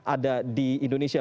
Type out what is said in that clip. ada di indonesia